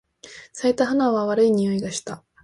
咲いた花は悪い匂いがした。